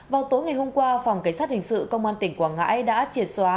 vào tối ngày hôm qua phòng cảnh sát hình sự công an tỉnh quảng ngãi đã triệt xóa